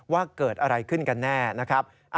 ว่าเกิดอะไรขึ้นกันแน่นะครับ